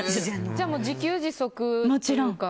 じゃあもう自給自足というか。